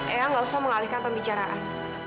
eh gak usah mengalihkan pembicaraan